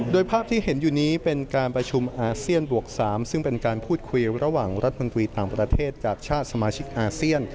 โดยภาพที่เห็นอยู่นี้เป็นการประชุมอาเซียนบวก๓ซึ่งเป็นการพูดคุยระหว่างรัฐมนตรีต่างประเทศจากชาติสมาชิกอาเซียน